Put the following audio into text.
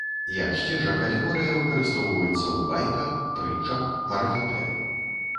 Як сцежак алегорыя выкарыстоўваецца ў байка, прытчах, маралітэ.